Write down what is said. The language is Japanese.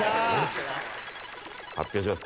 発表します。